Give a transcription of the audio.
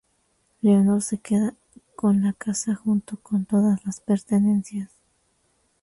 Leonor se queda con la casa junto con todas las pertenencias.